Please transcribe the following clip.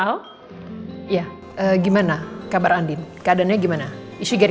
terima kasih ya ma